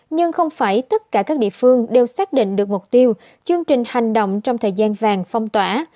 nhưng không phải tất cả các địa phương đều xác định được mục tiêu chương trình hành động trong thời gian vàng phong tỏa